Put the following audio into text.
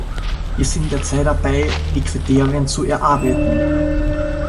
Wir sind derzeit dabei, die Kriterien zu erarbeiten.